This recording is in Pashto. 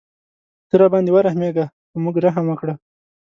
ته راباندې ورحمېږه په موږ رحم وکړه.